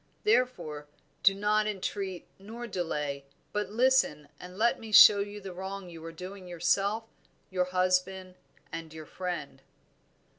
Therefore do not entreat nor delay, but listen and let me show you the wrong you are doing yourself, your husband, and your friend."